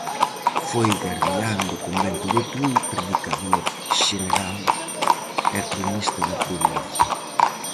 Foi gardián do convento de Tui, predicador xeneral e cronista da provincia.